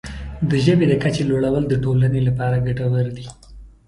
د ژبې د کچې لوړول د ټولنې لپاره ګټور دی.